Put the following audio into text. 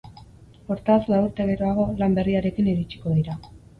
Hortaz, lau urte geroago, lan berriarekin iritsiko dira.